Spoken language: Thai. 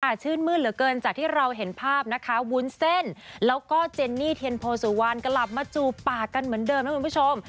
ชื่นมืดเหลือเกินจากที่เราเห็นภาพนะคะวุ้นเส้นแล้วก็เจนนี่เทียนโพสุวรรณกลับมาจูบปากกันเหมือนเดิมนะคุณผู้ชม